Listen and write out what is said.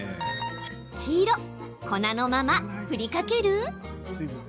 黄色・粉のまま振りかける？